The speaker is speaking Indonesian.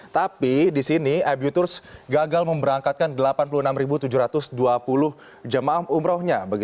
tapi di sini abu turs gagal memberangkatkan delapan puluh enam tujuh ratus dua puluh jemaah umrohnya